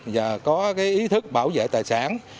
và có ý thức bảo vệ tài sản